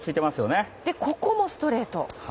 ここもストレート。